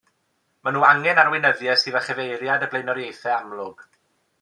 Mae nhw angen arweinyddiaeth sydd â chyfeiriad a blaenoriaethau amlwg.